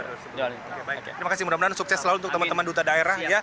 terima kasih mudah mudahan sukses selalu untuk teman teman duta daerah